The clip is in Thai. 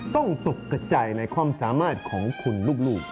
ตกกระจายในความสามารถของคุณลูก